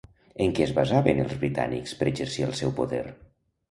En què es basaven els britànics per exercir el seu poder?